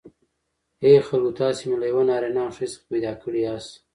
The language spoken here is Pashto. ای خلکو تاسی می له یوه نارینه او ښځی څخه پیداکړی یاست